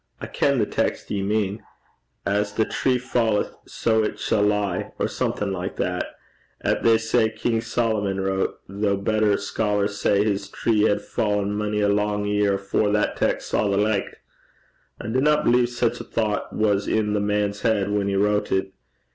'I ken the text ye mean "As the tree falleth so it shall lie," or something like that 'at they say King Solomon wrote, though better scholars say his tree had fa'en mony a lang year afore that text saw the licht. I dinna believe sic a thocht was i' the man's heid when he wrote it.